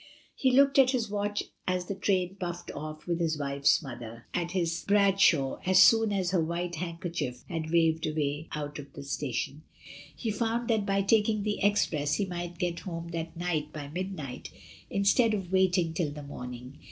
He looked at his watch as the train puffed off with his wife's mother; at his Bradshaw as soon as her white handkerchief had waved away out of the station. He found that by taking the express he might get home that night by midnight instead of waiting till the morning.